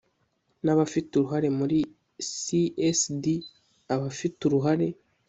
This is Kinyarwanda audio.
n abafite uruhare muri csd abafite uruhare